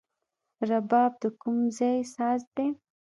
رباب د کوم ځای ساز دی؟